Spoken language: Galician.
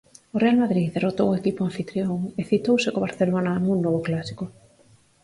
O Real Madrid derrotou o equipo anfitrión e citouse co Barcelona nun novo clásico.